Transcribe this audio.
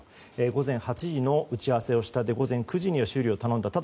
午前８時に打ち合わせをして午前９時には修理を頼んだと。